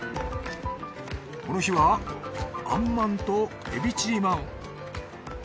この日はあんまんとエビチリまん。